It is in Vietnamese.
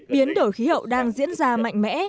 biến đổi khí hậu đang diễn ra mạnh mẽ